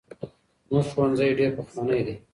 زموږ ښوونځی ډېر پخوانی دی.